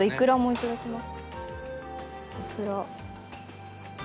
いただきます。